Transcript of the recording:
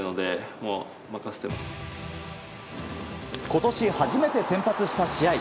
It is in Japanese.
今年初めて先発した試合。